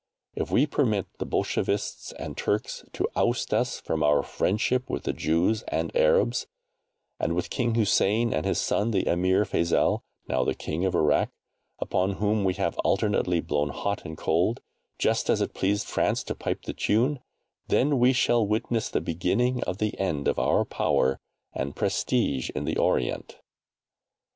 If we permit the Bolshevists and Turks to oust us from our friendship with the Jews and Arabs, and with King Hussein and his son the Emir Feisal (now the King of Irak), upon whom we have alternately blown hot and cold, just as it pleased France to pipe the tune then we shall witness the beginning of the end of our power and prestige in the Orient.